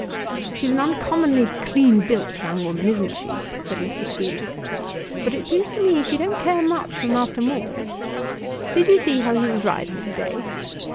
"She's an uncommonly clean built young woman, isn't she?" said Mr. Spooner; "but it seems to me she don't care much for Master Maule. Did you see how he was riding to day?"